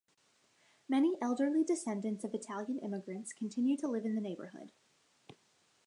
Many elderly descendants of Italian immigrants continue to live in the neighborhood.